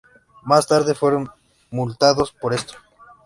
Más tarde fueron multados por esto.